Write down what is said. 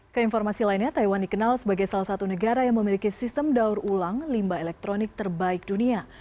keinformasi lainnya taiwan dikenal sebagai salah satu negara yang memiliki sistem daur ulang limba elektronik terbaik dunia